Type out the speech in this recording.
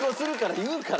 言うから。